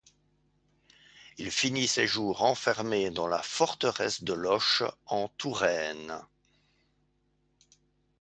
Il finit ses jours enfermé dans la forteresse de Loches, en Touraine.